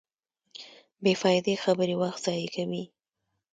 بېفائدې خبرې وخت ضایع کوي.